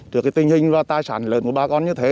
trước tình hình và tài sản lớn của bà con như thế